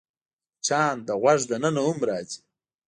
مچان د غوږ دننه هم راځي